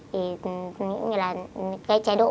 thì những cái chế độ